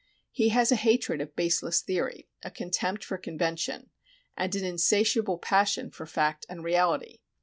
He has a hatred of baseless theory, a contempt for convention, and an insatiable passion for fact and reality.